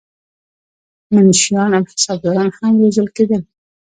منشیان او حسابداران هم روزل کېدل.